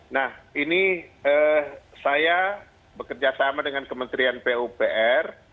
nah ini saya bekerja sama dengan kementerian pupr